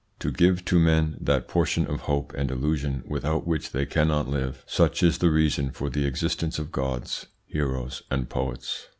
To give to men that portion of hope and illusion without which they cannot live, such is the reason for the existence of gods, heroes, and poets.